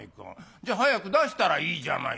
じゃ早く出したらいいじゃないの」。